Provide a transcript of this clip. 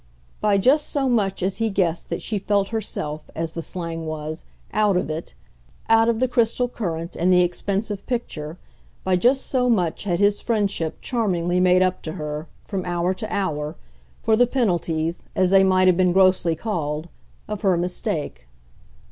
By just so much as he guessed that she felt herself, as the slang was, out of it, out of the crystal current and the expensive picture, by just so much had his friendship charmingly made up to her, from hour to hour, for the penalties, as they might have been grossly called, of her mistake.